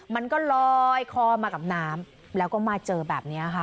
มันก็ลอยคอมากับน้ำแล้วก็มาเจอแบบนี้ค่ะ